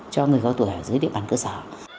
cho người cao tuổi ở dưới địa bàn cơ sở